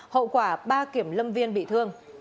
hậu quả ba kiểm lâm viên bị thương